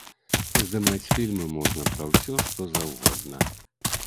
Здымаць фільмы можна пра ўсё, што заўгодна.